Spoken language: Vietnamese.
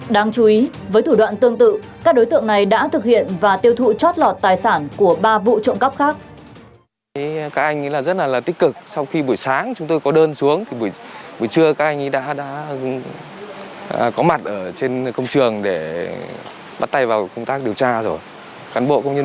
đáng chú ý với thủ đoạn tương tự các đối tượng này đã thực hiện và tiêu thụ chót lọt tài sản của ba vụ trộm cắp khác